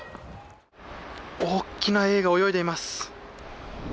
大きなエイが泳いでいます。